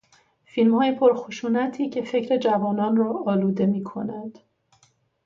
فیلمهای پرخشونتی که فکر جوانان را آلوده میکند